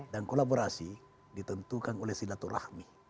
dan kolaborasi ditentukan oleh silaturahmi